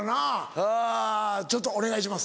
はぁちょっとお願いします。